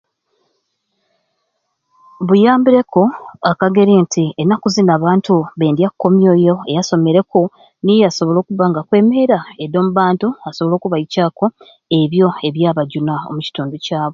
Buyambireku akageri nti enaku zini abantu bendya komya oyo eyasomereku niye yasobola okubba nga akwemera edi ombantu asobole okubaikyaku ebyo ebyabajuna omukitundu kyabwe.